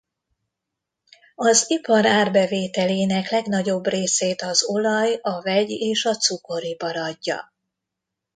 Az ipar árbevételének legnagyobb részét az olaj- a vegy- és a cukoripar adja.